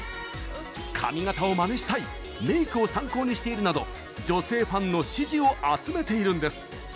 「髪型をまねしたい」「メイクを参考にしている」など女性ファンの支持を集めているんです。